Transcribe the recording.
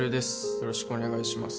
よろしくお願いします